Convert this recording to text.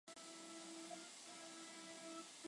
诺尔日拉维勒。